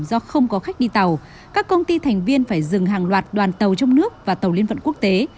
do không có khách đi tàu các công ty thành viên phải dừng hàng loạt đoàn tàu trong nước và tàu liên vận quốc tế